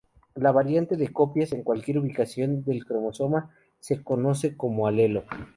La variante de copias en cualquier ubicación del cromosoma se conoce como alelo.